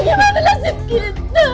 ayah gimana lasik kita